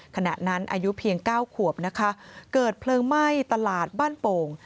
ขณะนั้นอายุเพียง๙ขวบนะคะเกิดเพลิงไหม้ตลาดบ้านโป่ง